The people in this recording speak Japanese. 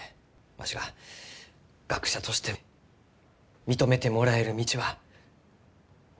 わしが学者として認めてもらえる道はないがですか？